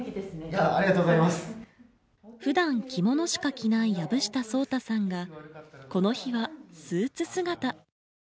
普段着物しか着ない薮下颯太さんがこの日はスーツ姿。